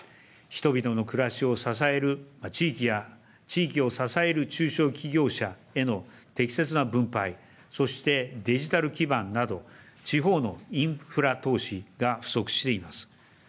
人々の暮らしを支える地域や、地域を支える中小企業者への適切な分配、そしてデジタル基盤など、地方のインフラ投資が不足しています。